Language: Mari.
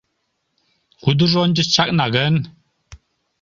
Кудыжо ончыч чакна гын?